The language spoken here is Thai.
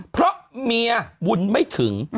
เพราะเมียบุญไม่ถึง